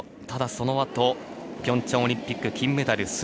ただ、そのあとピョンチャンオリンピック金メダル